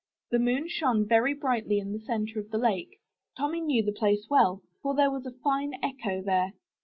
The moon shone very brightly on the center of the lake. Tommy knew the place well, for there was a fine echo there.